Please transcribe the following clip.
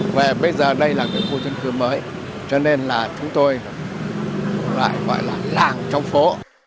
và bây giờ đây là cái khu dân cư mới cho nên là chúng tôi lại gọi là làng trong phố